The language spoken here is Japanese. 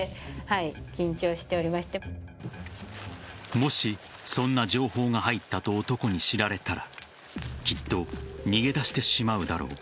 もし、そんな情報が入ったと男に知られたらきっと逃げ出してしまうだろう。